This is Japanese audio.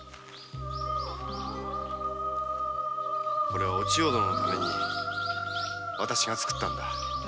これはおちよ殿のために私が作ったのだ。